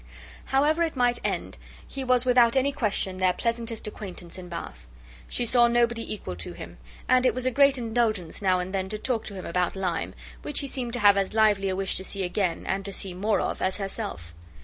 However it might end, he was without any question their pleasantest acquaintance in Bath: she saw nobody equal to him; and it was a great indulgence now and then to talk to him about Lyme, which he seemed to have as lively a wish to see again, and to see more of, as herself.